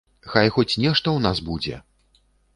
Хай хоць нешта ў нас будзе!